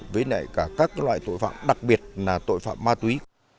với cả các loại tội phạm đặc biệt là tội phạm ma túy